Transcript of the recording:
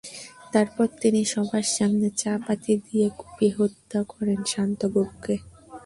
তারপর তিনি সবার সামনে চাপাতি দিয়ে কুপিয়ে হত্যা করেন শান্ত গোপকে।